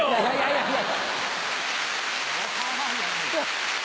いやいや。